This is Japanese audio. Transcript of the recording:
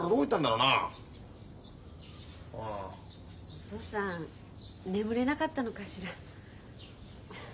お義父さん眠れなかったのかしら。